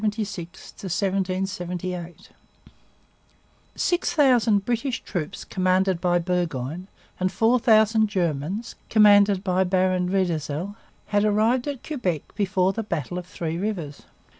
CHAPTER VII THE COUNTERSTROKE 1776 1778 Six thousand British troops, commanded by Burgoyne, and four thousand Germans, commanded by Baron Riedesel, had arrived at Quebec before the battle of Three Rivers.